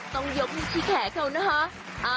ต้องยกที่แขนเขานะคะ